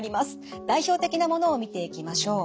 代表的なものを見ていきましょう。